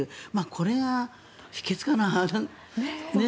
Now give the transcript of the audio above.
これが秘けつかな。